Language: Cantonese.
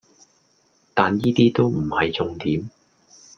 但依啲都唔係重點